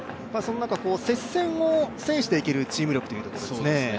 接戦を制していけるチーム力というところですよね。